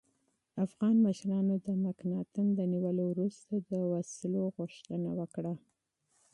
افغان مشرانو د مکناتن د نیولو وروسته د وسلو غوښتنه وکړه.